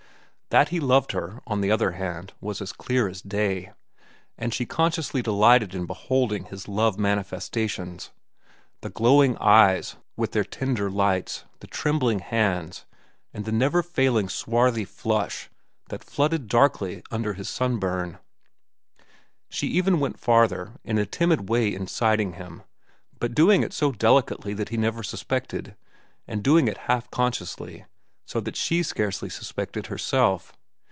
That he loved her, on the other hand, was as clear as day, and she consciously delighted in beholding his love manifestations—the glowing eyes with their tender lights, the trembling hands, and the never failing swarthy flush that flooded darkly under his sunburn. She even went farther, in a timid way inciting him, but doing it so delicately that he never suspected, and doing it half consciously, so that she scarcely suspected herself.